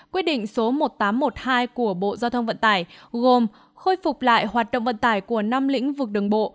quyết định số một nghìn tám trăm một mươi hai của bộ giao thông vận tải gồm khôi phục lại hoạt động vận tải của năm lĩnh vực đường bộ